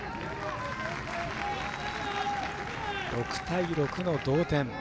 ６対６の同点。